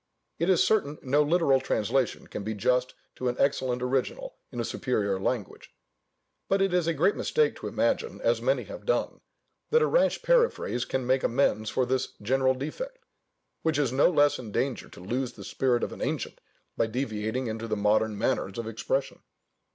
It is certain no literal translation can be just to an excellent original in a superior language: but it is a great mistake to imagine (as many have done) that a rash paraphrase can make amends for this general defect; which is no less in danger to lose the spirit of an ancient, by deviating into the modern manners of expression.